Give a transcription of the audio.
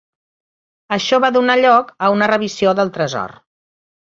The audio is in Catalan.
Això va donar lloc a una revisió del Tresor.